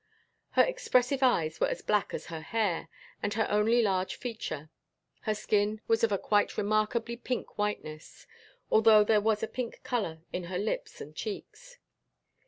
Her expressive eyes were as black as her hair, and her only large feature. Her skin was of a quite remarkably pink whiteness, although there was a pink color in her lips and cheeks.